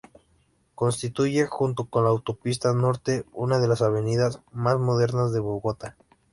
Constituye junto con la Autopista Norte una de las avenidas más modernas de Bogotá.